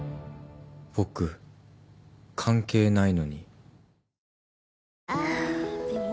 僕関係ないのに。